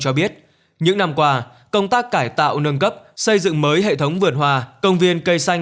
cho biết những năm qua công tác cải tạo nâng cấp xây dựng mới hệ thống vườn hòa công viên cây xanh